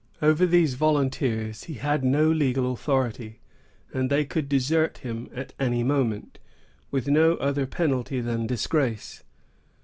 Over these volunteers he had no legal authority, and they could desert him at any moment, with no other penalty than disgrace.